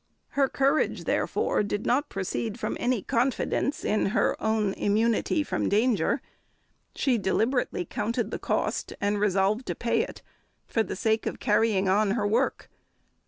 Her courage, therefore, did not proceed from any confidence in her own immunity from danger. She deliberately counted the cost, and resolved to pay it, for the sake of carrying on her work.